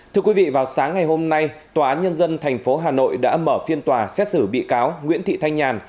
thưa quý vị vào sáng ngày hôm nay tòa án nhân dân tp hà nội đã mở phiên tòa xét xử bị cáo nguyễn thị thanh nhàn